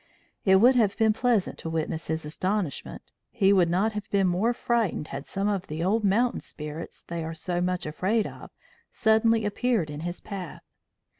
It would have been pleasant to witness his astonishment; he would not have been more frightened had some of the old mountain spirits they are so much afraid of suddenly appeared in his path.